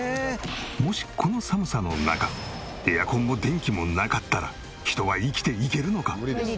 もしこの寒さの中エアコンも電気もなかったら人は生きていけるのか？